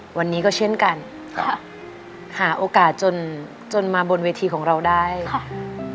วันนี้ก็เช่นกันค่ะหาโอกาสจนจนมาบนเวทีของเราได้ค่ะ